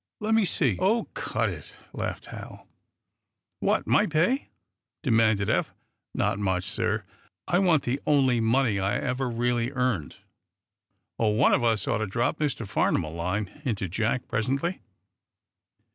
Let me see " "Oh, cut it!" laughed Hal. "What? My pay?" demanded Eph, "Not much, sir! I want the only money I ever really earned." "One of us ought to drop Mr. Farnum a line," hinted Jack, presently.